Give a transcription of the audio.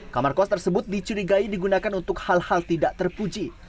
kamarkos tersebut dicurigai digunakan untuk hal hal tidak terpuji